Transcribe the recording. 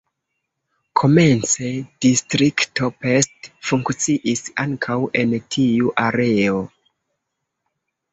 Komence „Distrikto Pest” funkciis ankaŭ en tiu areo.